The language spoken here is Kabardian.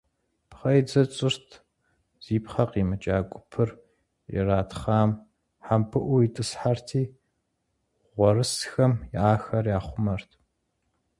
Пхъэидзэ тщӀырт, зи пхъэ къимыкӀа гупыр иратхъам хьэмбыӀуу итӏысхьэрти, гъуэрысхэм ахэр яхъумэрт.